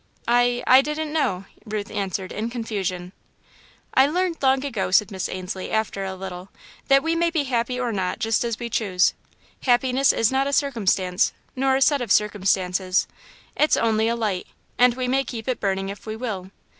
"I I didn't know," Ruth answered, in confusion. "I learned long ago," said Miss Ainslie, after a little, "that we may be happy or not, just as we choose. Happiness is not a circumstance, nor a set of circumstances; it's only a light, and we may keep it burning if we will.